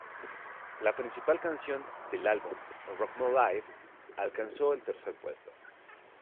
La principal canción del álbum "Rock My Life" alcanzó el tercer puesto.